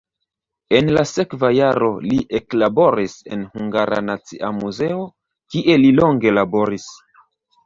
En la sekva jaro li eklaboris en Hungara Nacia Muzeo, kie li longe laboris.